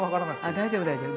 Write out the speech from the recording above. あ大丈夫大丈夫。